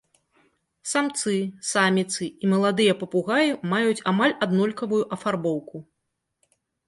Самцы, саміцы і маладыя папугаі маюць амаль аднолькавую афарбоўку.